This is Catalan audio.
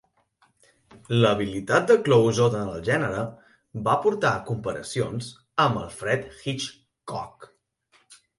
L'habilitat de Clouzot en el gènere va portar a comparacions amb Alfred Hitchcock.